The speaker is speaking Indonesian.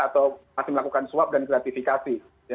atau masih melakukan swab dan gratifikasi